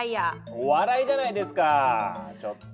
お笑いじゃないですかちょっと。